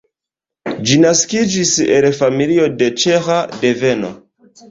Ĝi naskiĝis el familio de ĉeĥa deveno.